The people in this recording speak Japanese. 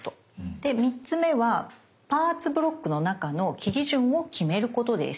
で３つ目はパーツ・ブロックの中の切り順を決めることです。